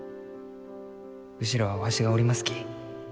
後ろはわしがおりますき。